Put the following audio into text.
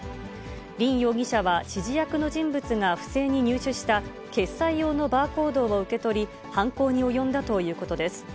林容疑者は指示役の人物が不正に入手した決済用のバーコードを受け取り、犯行に及んだということです。